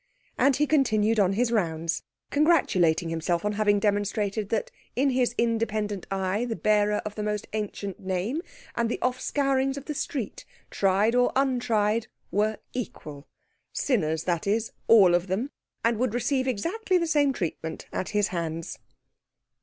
And he continued his rounds, congratulating himself on having demonstrated that in his independent eye the bearer of the most ancient name and the offscourings of the street, tried or untried, were equal sinners, that is, all of them and would receive exactly the same treatment at his hands.